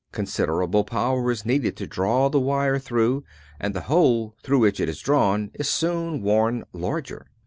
Considerable power is needed to draw the wire through, and the hole through which it is drawn is soon worn larger.